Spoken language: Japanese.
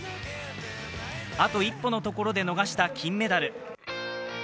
あと一歩のところで逃した金メダル。